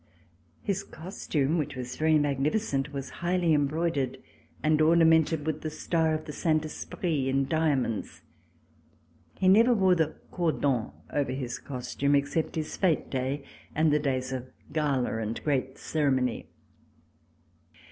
His costume, which was very magnificent, was highly embroidered, and ornamented with the star of the Saint Esprit in diamonds. He never wore the cordon over his costume, except his fete day and the days of gala and great ceremony.